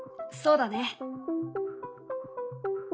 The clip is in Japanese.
そうだね。